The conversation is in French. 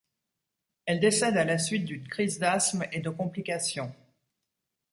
Elle décède à la suite d'une crise d’asthme et de complications.